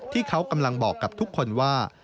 ที่เขากำลังบอกกับทุกคนว่า